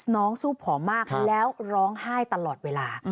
สู้ผอมมากแล้วร้องไห้ตลอดเวลา